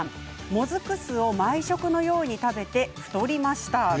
もずく酢を毎食のように食べて太りました。